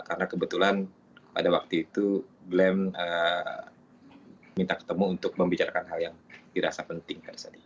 karena kebetulan pada waktu itu glenn minta ketemu untuk membicarakan hal yang dirasa penting